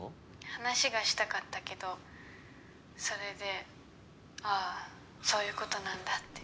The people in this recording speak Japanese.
話がしたかったけどそれで「あぁそういうことなんだ」って。